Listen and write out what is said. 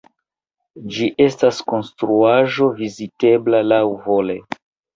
Ĝi estas konstruaĵo vizitebla laŭvole.